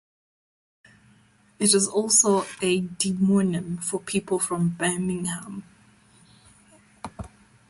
It is also a demonym for people from Birmingham.